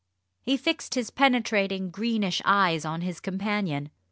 He fixed his penetrating greenish eyes on his companion.